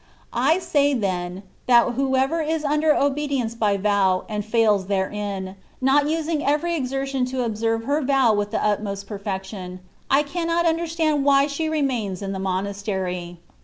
I say, then, that whoever is under obedience by vow, and fails therein, not using every exertion to observe her vow with the utmost perfection, I cannot understand why she remains in the monastery.